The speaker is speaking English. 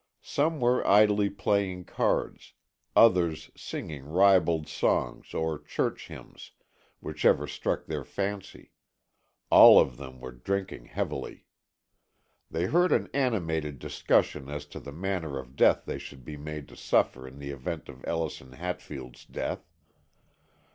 Some were idly playing cards; others singing ribald songs or church hymns, whichever struck their fancy; all of them were drinking heavily. They heard an animated discussion as to the manner of death they should be made to suffer in the event of Ellison Hatfield's death.